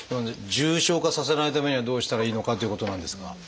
重症化させないためにはどうしたらいいのかっていうことなんですが。